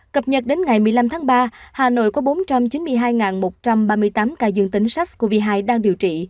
cập nhật đến ngày một mươi năm tháng ba hà nội có bốn trăm chín mươi hai một trăm ba mươi tám ca dương tính sars cov hai đang điều trị